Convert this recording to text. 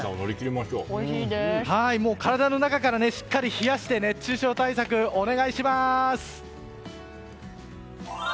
体の中からしっかり冷やして熱中症対策をお願いします。